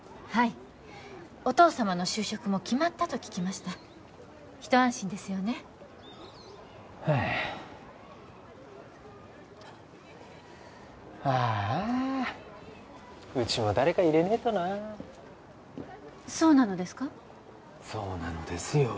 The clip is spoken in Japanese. はいお父様の就職も決まったと聞きました一安心ですよねああうちも誰か入れねえとなあそうなのですか？